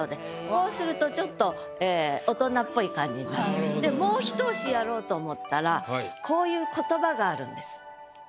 こうするとちょっともうひと押しやろうと思ったらこういう言葉があるんです。